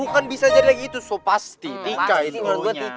bukan bisa jadi lagi itu so pasti tika itu